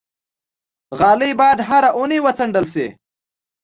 غالۍ باید هره اونۍ وڅنډل شي.